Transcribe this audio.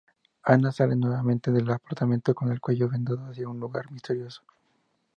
Anna sale nuevamente del apartamento con el cuello vendado hacia un lugar misterioso.